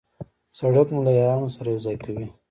سړک مو له یارانو سره یو ځای کوي.